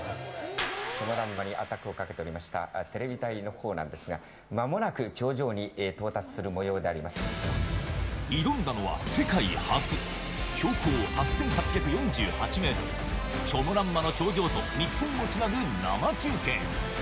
チョモランマにアタックをかけておりましたテレビ隊のほうなんですが、まもなく頂上に到達す挑んだのは世界初、標高８８４８メートル、チョモランマの頂上と日本をつなぐ生中継。